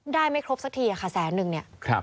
ไม่ครบสักทีค่ะแสนนึงเนี่ย